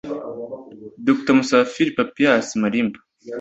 Dr Musafiri Papias Malimba